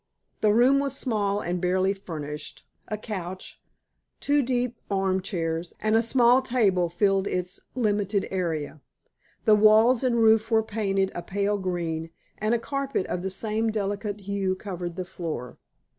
The room was small and barely furnished; a couch, two deep arm chairs, and a small table filled its limited area. The walls and roof were painted a pale green, and a carpet of the same delicate hue covered the floor.